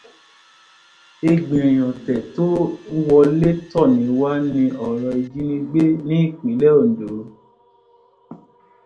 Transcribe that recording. Egbìnrìn ọ̀tẹ̀ tí ó ń wọlé tọni wá ni ọ̀rọ̀ ìjínigbé ní ìpínlẹ̀ Ondo.